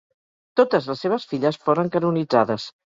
Totes les seves filles foren canonitzades.